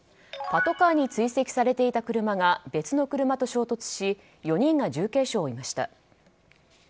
パトカーに追跡されていた車が別の車と衝突し４人が重軽傷を負いました。